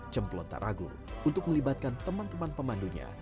jemplon tak ragu untuk melibatkan teman teman pemandunya